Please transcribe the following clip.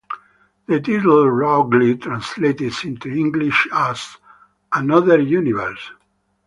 The title roughly translates into English as "another universe".